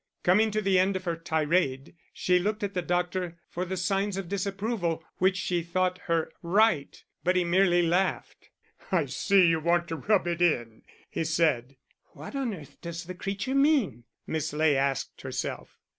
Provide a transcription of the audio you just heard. Coming to the end of her tirade, she looked at the doctor for the signs of disapproval which she thought her right, but he merely laughed. "I see you want to rub it in," he said. "What on earth does the creature mean?" Miss Ley asked herself.